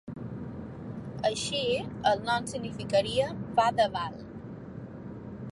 Així, el nom significaria "pa de val".